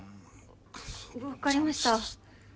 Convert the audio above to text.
分かりました。